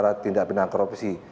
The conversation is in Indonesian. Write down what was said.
kepada kejaksaan yang terjadi